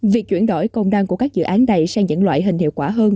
việc chuyển đổi công năng của các dự án này sang những loại hình hiệu quả hơn